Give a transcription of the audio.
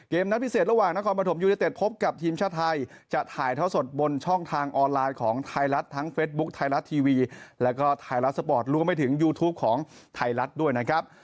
นัดพิเศษระหว่างนครปฐมยูเนเต็ดพบกับทีมชาติไทยจะถ่ายท่อสดบนช่องทางออนไลน์ของไทยรัฐทั้งเฟซบุ๊คไทยรัฐทีวีแล้วก็ไทยรัฐสปอร์ตรวมไปถึงยูทูปของไทยรัฐด้วยนะครับ